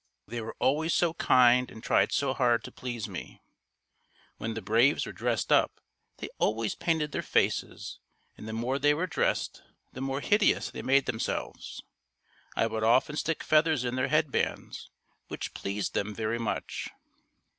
They were always so kind and tried so hard to please me. When the braves were dressed up they always painted their faces and the more they were dressed the more hideous they made themselves. I would often stick feathers in their head bands, which pleased them very much.